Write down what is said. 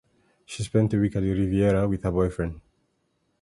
She spent a week at the Riviera with her boyfriend.